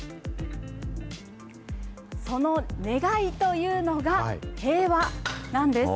その願いというのが、平和なんです。